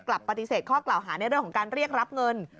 ปฏิเสธข้อกล่าวหาในเรื่องของการเรียกรับเงิน